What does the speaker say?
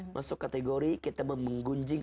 masuk kategori kita menggunjing